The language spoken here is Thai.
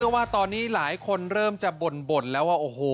ว่าตอนนี้หลายคนเริ่มจะบ่นแล้วว่าโอ้โห